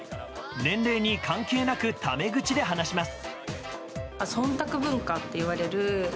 年齢に関係なくタメぐちで話します。